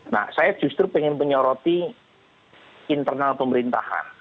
nah saya justru ingin menyoroti internal pemerintahan